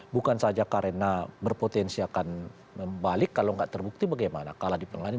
bukan saja karena berpotensi akan membalik kalau tidak terbukti bagaimana kalah di pengadilan